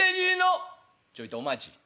「ちょいとお待ち。